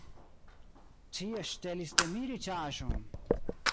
Ci ŝtelis de mi riĉaĵon!